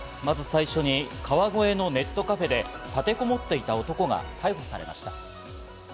最初に川越のネットカフェで立てこもっていた男が逮捕されました。